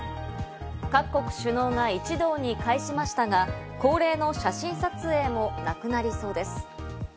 各国首脳が一堂に会しましたが、恒例の写真撮影もなくなりそうです。